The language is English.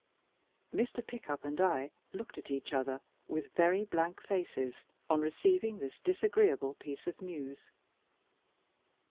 Mr. Pickup and I looked at each other with very blank faces on receiving this agreeable piece of news.